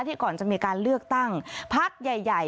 ก่อนจะมีการเลือกตั้งพักใหญ่